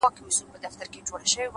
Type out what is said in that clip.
ما وتا بېل كړي سره ـ